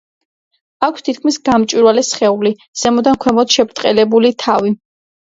აქვს თითქმის გამჭვირვალე სხეული, ზემოდან ქვემოთ შებრტყელებული თავი.